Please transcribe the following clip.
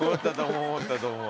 思ったと思う。